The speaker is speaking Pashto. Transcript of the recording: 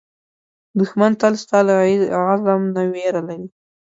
دښمن تل ستا له عزم نه وېره لري